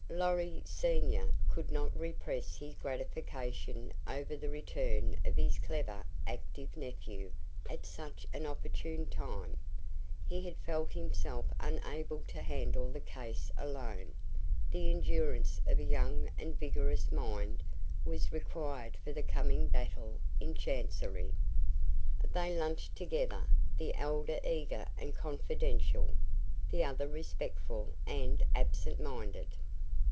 Lorry, senior, could not repress his gratification over the return of his clever, active nephew at such an opportune time. He had felt himself unable to handle the case alone; the endurance of a young and vigorous mind was required for the coming battle in chancery. They lunched together, the elder eager and confidential, the other respectful and absent minded.